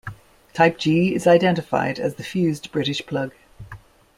Type G is identified as the fused British plug.